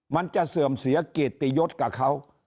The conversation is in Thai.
มันจะเสื่อมเสียเกียรติยศกับเขา